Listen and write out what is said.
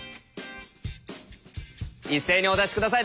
一斉にお出し下さい。